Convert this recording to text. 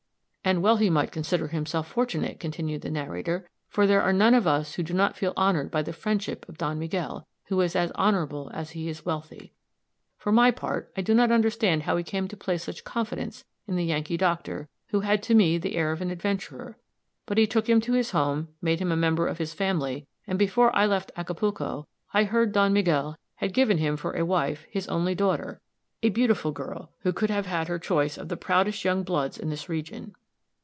"And well he might consider himself fortunate," continued the narrator, "for there are none of us who do not feel honored by the friendship of Don Miguel, who is as honorable as he is wealthy. For my part, I do not understand how he came to place such confidence in the 'Yankee' doctor, who had to me the air of an adventurer; but he took him to his home, made him a member of his family, and before I left Acapulco, I heard that Don Miguel had given him for a wife his only daughter, a beautiful girl, who could have had her choice of the proudest young bloods in this region."